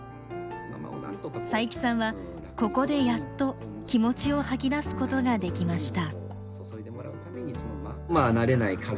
佐伯さんはここでやっと気持ちを吐き出すことができました。